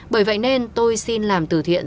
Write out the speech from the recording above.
bởi vậy nên tôi xin làm từ thiện